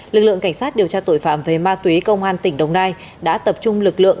lực lượng cảnh sát điều tra tội phạm về ma túy công an tỉnh đồng nai đã tập trung lực lượng